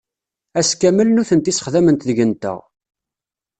Ass kamel nutenti ssexdament deg-nteɣ.